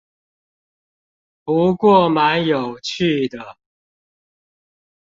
不過蠻有趣的